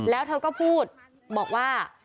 แล้วเธอก็พูดบอกว่า